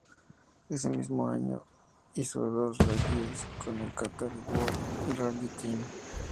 Ese mismo año hizo dos rallies con el Qatar World Rally Team.